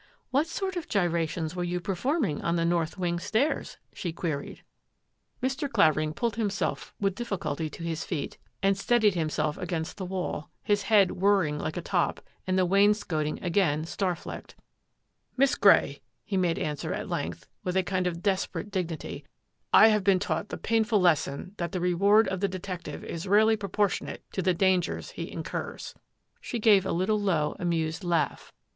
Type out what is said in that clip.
" What sort of gyrations were you performing on the north wing stairs? " she queried. SURMISES AND SUSPICIONS 67 Mr. Clavering pulled himself with difficulty to his feet and steadied himself against the wall, his head whirring like a top and the wainscoting again star flecked. " Miss Grey," he made answer at length, with a kind of desperate dignity, " I have been taught the painful lesson that the reward of the detec tive is rarely proportionate to the dangers he incurs." She gave a little low, amused laugh.